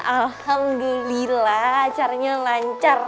alhamdulillah acaranya lancar